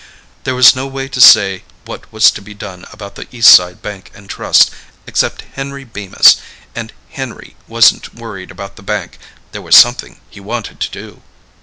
There was no one to say what was to be done about the Eastside Bank & Trust except Henry Bemis, and Henry wasn't worried about the bank, there was something he wanted to do.